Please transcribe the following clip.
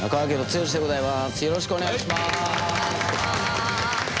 よろしくお願いします。